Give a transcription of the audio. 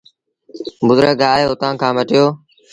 بزرگ آئي اُتآن کآݩ مٽيو۔